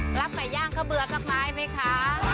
รับไหมย่างข้าวเบื่อกับไม้ไหมคะ